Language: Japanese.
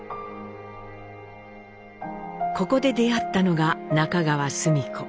ここで出会ったのが中川スミ子。